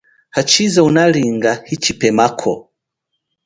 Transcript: Achize unalinga hi chipemako.